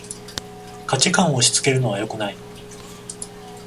価値観を押しつけるのはよくない